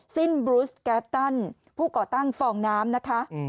สิ้นบรูสแก๊ปตันผู้ก่อตั้งฟองน้ำนะคะ